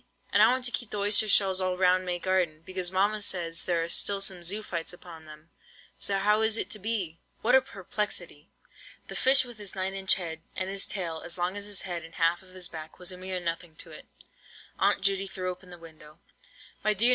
and I want to keep the oyster shells all round may garden, because mamma says there are still some zoophytes upon them. So how is it to be?" What a perplexity! The fish with his nine inch head, and his tail as long as his head and half of his back, was a mere nothing to it. Aunt Judy threw open the window. "My dear No.